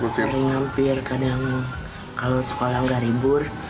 sering hampir kadang kalau sekolah nggak ribur